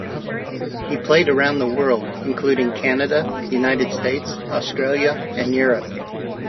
He played around the world including Canada, United States, Australia and Europe.